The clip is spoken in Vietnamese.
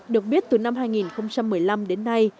được biết từ năm hai nghìn một mươi năm đến nay